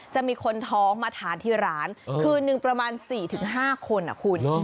จะมีคนท้องมาทานที่ร้านคืนนึงประมาณสี่ถึงห้าคนอ่ะคุณ